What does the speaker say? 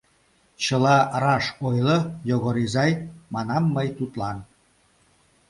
— Чыла раш ойло, Йогор изай, — манам мый тудлан.